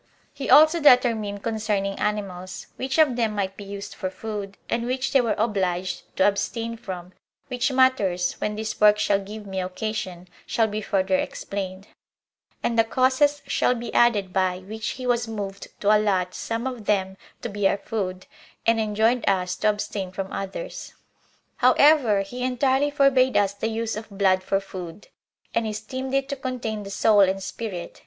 2. He also determined concerning animals; which of them might be used for food, and which they were obliged to abstain from; which matters, when this work shall give me occasion, shall be further explained; and the causes shall be added by which he was moved to allot some of them to be our food, and enjoined us to abstain from others. However, he entirely forbade us the use of blood for food, and esteemed it to contain the soul and spirit.